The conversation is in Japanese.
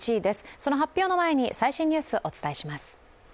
その発表の前に最新のニュースお伝えします。